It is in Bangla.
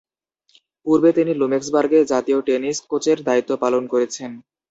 পূর্বে তিনি লুক্সেমবার্গের জাতীয় টেনিস কোচের দায়িত্ব পালন করেছেন।